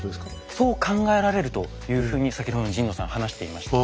そう考えられるというふうに先ほどの神野さん話していました。